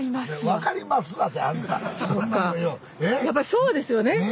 やっぱそうですよね。